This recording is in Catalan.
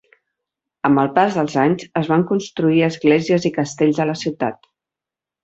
Amb el pas dels anys, es van construir esglésies i castells a la ciutat.